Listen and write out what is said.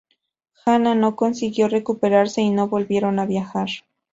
Anna no consiguió recuperarse y no volvieron a viajar.